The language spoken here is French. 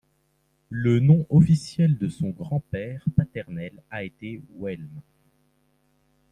Le nom officiel de son grand-père paternel a été Welmes.